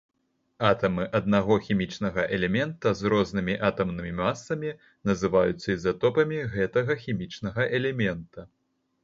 Атамы аднаго хімічнага элемента з рознымі атамнымі масамі, называюцца ізатопамі гэтага хімічнага элемента.